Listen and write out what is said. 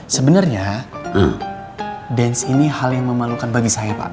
sebenarnya dance ini hal yang memalukan bagi saya pak